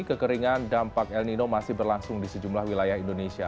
kekeringan dampak el nino masih berlangsung di sejumlah wilayah indonesia